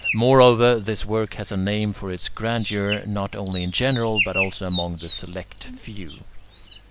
Moreover, this work has a name for its grandeur, not only in general, but also among the select few.